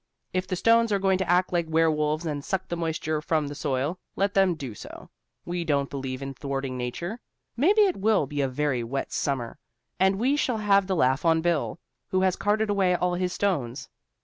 If the stones are going to act like werewolves and suck the moisture from our soil, let them do so. We don't believe in thwarting nature. Maybe it will be a very wet summer and we shall have the laugh on Bill, who has carted away all his stones.